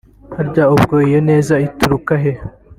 harya ubwo iyo neza ituruka he